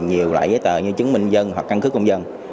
nhiều loại giấy tờ như chứng minh dân hoặc căn cứ công dân